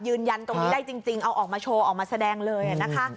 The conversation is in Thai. ยืนยันตรงนี้ได้จริงเอาออกมาโชว์ออกมาแสดงเลยนะคะ